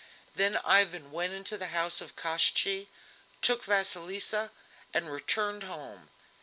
Then Ivan went into the house of Koshchei, took Vasilisa, and returned home.